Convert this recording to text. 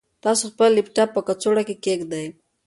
تاسو خپل لپټاپ په کڅوړه کې کېږدئ.